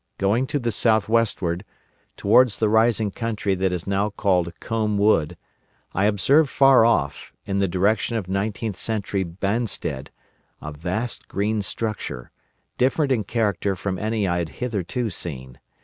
Going to the south westward towards the rising country that is now called Combe Wood, I observed far off, in the direction of nineteenth century Banstead, a vast green structure, different in character from any I had hitherto seen.